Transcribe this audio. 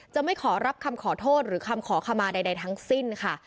ไม่ขอรับคำขอโทษหรือคำขอขมาใดทั้งสิ้นค่ะ